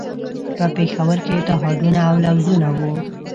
په پېښور کې اتحادونه او لوزونه وو.